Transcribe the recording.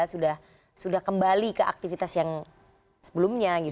sudah sudah kembali ke aktivitas yang sebelumnya gitu